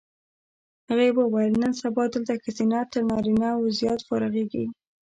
هغې وویل نن سبا دلته ښځینه تر نارینه و زیات فارغېږي.